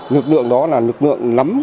lực lượng đó là lực lượng lắm